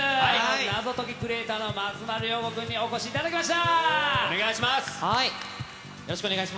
謎解きプレーヤーの松丸亮吾君にお越しいただきました。